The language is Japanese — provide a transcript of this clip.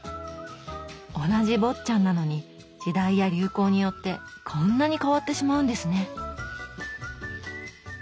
同じ坊っちゃんなのに時代や流行によってこんなに変わってしまうんですね。